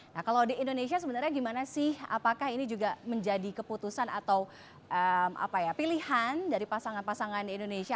nah kalau di indonesia sebenarnya gimana sih apakah ini juga menjadi keputusan atau pilihan dari pasangan pasangan indonesia